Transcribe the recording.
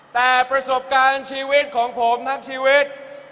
แต่ประสบการณ์ชีวิตของผมทั้งชีวิต